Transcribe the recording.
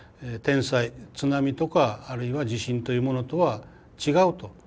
天災津波とかあるいは地震というものとは違うと。